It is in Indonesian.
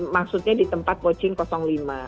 maksudnya di tempat coaching lima